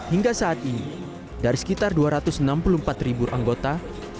hingga saat ini dari sekitar dua ratus enam puluh empat ribu anggota